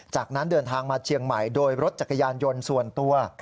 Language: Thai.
จากนั้นเดินทางมาเชียงใหม่โดยรถจักรยานยนต์ส่วนตัว